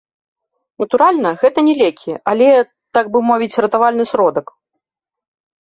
Натуральна, гэта не лекі, але, так бы мовіць, ратавальны сродак.